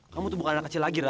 kamu tuh bukan anak kecil lagi